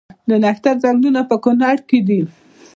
د نښتر ځنګلونه په کنړ کې دي؟